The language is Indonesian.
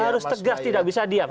harus tegas tidak bisa diam